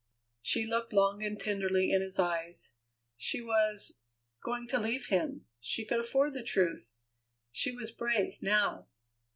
She looked long and tenderly in his eyes. She was going to leave him; she could afford the truth. She was brave now.